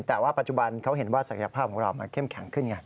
แต่ว่าปัจจุบันเขาเห็นว่าศักยภาพของเรามันเข้มแข็งขึ้นไง